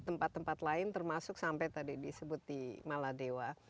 di tempat tempat lain termasuk sampai tadi disebut di maladewa